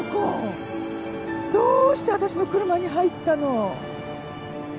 どうして私の車に入ったの？